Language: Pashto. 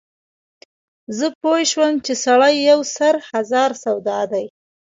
زه پوی شوم چې سړی یو سر هزار سودا دی.